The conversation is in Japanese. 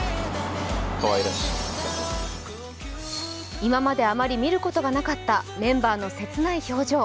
今まであまり見ることがなかったメンバーの切ない表情。